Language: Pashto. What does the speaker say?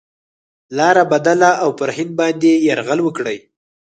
لاره بدله او پر هند باندي یرغل وکړي.